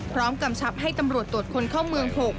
กำชับให้ตำรวจตรวจคนเข้าเมือง๖